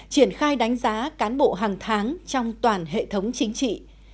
triển khai đánh giá cán bộ hàng tháng trong toàn hệ thống chính trị